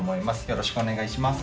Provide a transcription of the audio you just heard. よろしくお願いします。